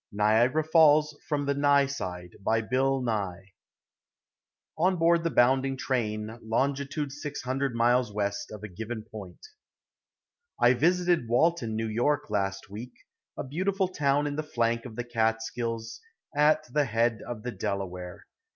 Niagara Falls from the Nye Side ON BOARD THE BOUNDING TRAIN,} LONGITUDE 600 MILES WEST OF A GIVEN POINT.} I visited Walton, N. Y., last week, a beautiful town in the flank of the Catskills, at the head of the Delaware.